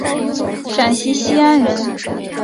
陕西西安人。